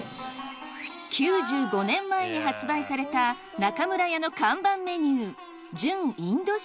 ９５年前に発売された中村屋の看板メニュー